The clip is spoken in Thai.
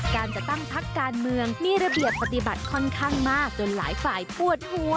การจะตั้งพักการเมืองมีระเบียบปฏิบัติค่อนข้างมากจนหลายฝ่ายปวดหัว